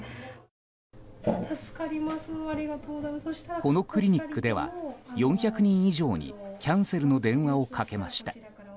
このクリニックでは４００人以上にキャンセルの電話をかけました。